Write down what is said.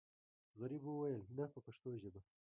غریب وویل نه په پښتو ژبه.